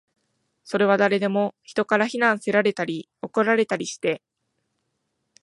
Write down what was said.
それは誰でも、人から非難せられたり、怒られたりして